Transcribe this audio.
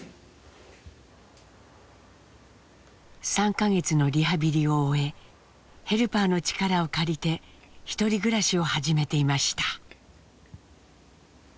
３か月のリハビリを終えヘルパーの力を借りてひとり暮らしを始めていました。